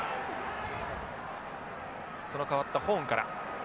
その代わったホーンから。